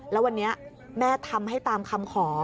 แล้ววันนี้แม่ทำให้ตามคำขอ